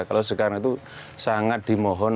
kalau sekarang itu sangat dimohon